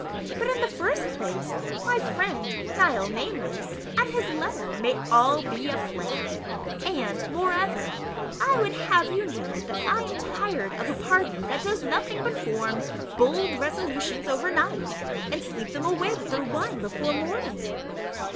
But, in the first place, my friend Nihil Nameless and his letter may be all a flam; and, moreover, I would have you know that I am tired of a party that does nothing but form bold resolutions overnight, and sleep them away with their wine before morning.